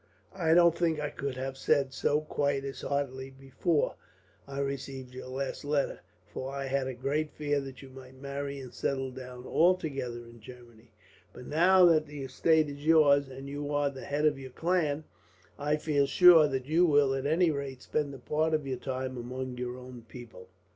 I don't think I could have said so quite as heartily, before I received your last letter; for I had a great fear that you might marry and settle down, altogether, in Germany; but now that the estate is yours, and you are the head of your clan, I feel sure that you will, at any rate, spend a part of your time among your own people."